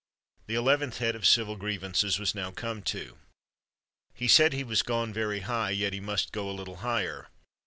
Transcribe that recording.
The eleventh head of civil grievances was now come to. He said, he was gone very high, yet he must go a little higher.